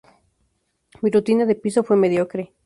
Mi rutina de piso fue mediocre.